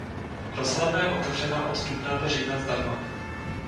Rozhledna je otevřena od dubna do října zdarma.